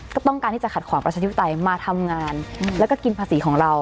ก็ต้องการที่จะขัดขวางประชาธิปไตยมาทำงานแล้วก็กินภาษีของเรา